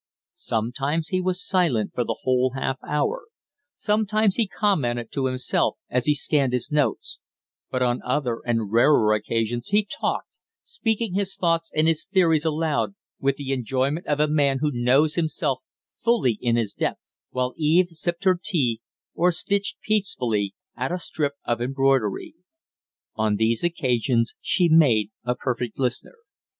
Sometimes he was silent for the whole half hour, sometimes he commented to himself as he scanned his notes; but on other and rarer occasions he talked, speaking his thoughts and his theories aloud, with the enjoyment of a man who knows himself fully in his depth, while Eve sipped her tea or stitched peacefully at a strip of embroidery. On these occasions she made a perfect listener.